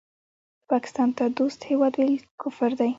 پاکستان ته دوست هېواد وویل کفر دی